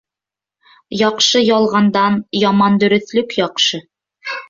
Яҡшы ялғандан яман дөрөҫлөк яҡшы.